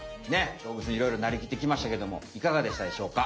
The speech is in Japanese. どうぶつにいろいろなりきってきましたけどもいかがでしたでしょうか？